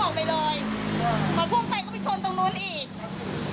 พอพุ่งไปเขาไปชนตรงนู้นอีก